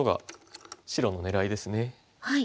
白の狙いですね。